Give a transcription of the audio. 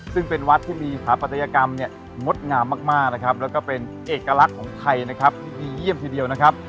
ซึ่งเป็นวัดที่มีภาพประตยกรรมมดงามมากและเป็นเอกลักษณ์ของไทยที่ดีเยี่ยมทีเดียวนะครับ